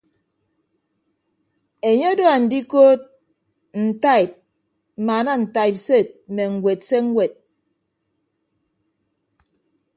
Enye odo andikood ntaib mmaana ntaibsed mme ñwed se ñwed.